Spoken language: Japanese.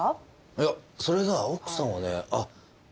いやそれが奥さんはね。